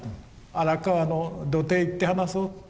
荒川の土手へ行って話そう。